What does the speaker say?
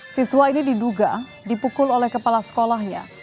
siswa ini diduga dipukul oleh kepala sekolahnya